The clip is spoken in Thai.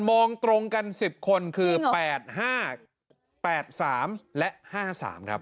มองตรงกันสิบคนคือแปดห้าแปดสามและห้าสามครับ